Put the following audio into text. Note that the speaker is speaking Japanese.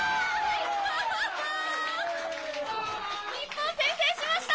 日本、先制しました！